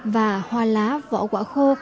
và hoa lá vỏ quả khô